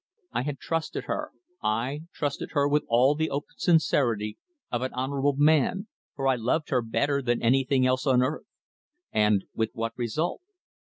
I had trusted her aye, trusted her with all the open sincerity of an honourable man for I loved her better than anything else on earth. And with what result?